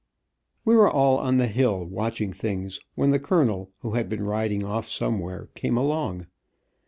We were all on the hill watching things, when the colonel, who had been riding off somewhere, came along.